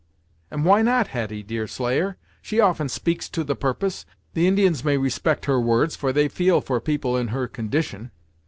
"And why not Hetty, Deerslayer? She often speaks to the purpose; the Indians may respect her words, for they feel for people in her condition."